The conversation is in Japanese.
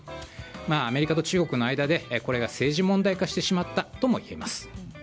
アメリカと中国の間でこれが政治問題化してしまったとも言えます。